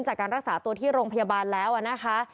จากการรักษาตัวที่โรงพยาบาลแล้วนะคะ